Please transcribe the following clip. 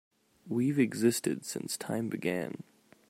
We've existed since time began.